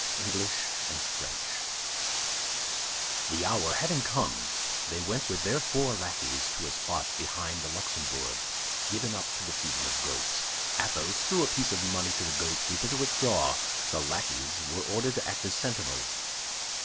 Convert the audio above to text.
ENGLISH AND FRENCH The hour having come, they went with their four lackeys to a spot behind the Luxembourg given up to the feeding of goats. Athos threw a piece of money to the goatkeeper to withdraw. The lackeys were ordered to act as sentinels.